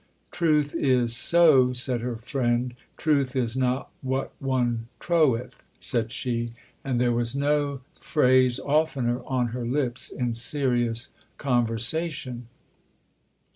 "Truth is so," said her friend. "Truth is not what one troweth," said she, and there was no phrase oftener on her lips in serious conversation.